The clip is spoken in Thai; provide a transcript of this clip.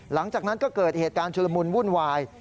หลังจากนั้นก็เกิดเหตุการณ์ชุลมุนวุ่นวาย